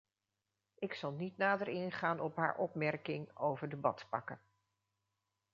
Ik zal niet nader ingaan op haar opmerking over de badpakken.